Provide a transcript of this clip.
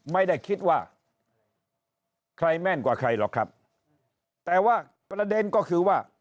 ไม่ได้คิดว่าใครแม่นกว่าใครหรอกครับแต่ว่าประเด็นก็คือว่า